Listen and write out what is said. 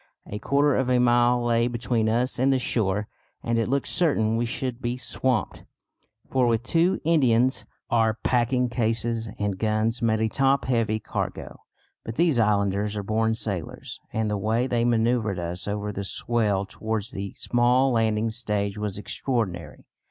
A quarter of a mile lay between us and the shore: and it looked certain we should be swamped, for, with two Indians, our packing cases and guns made a top heavy cargo. But these islanders are born sailors, and the way they manœuvred us over the swell towards the small landing stage was extraordinary.